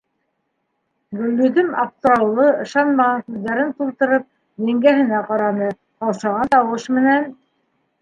Гөлйөҙөм, аптыраулы, ышанмаған күҙҙәрен тултырып, еңгәһенә ҡараны, ҡаушаған тауыш менән: